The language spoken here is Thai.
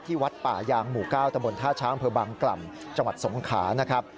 วัดป่ายางหมู่๙ตำบลท่าช้างอำเภอบางกล่ำจังหวัดสงขานะครับ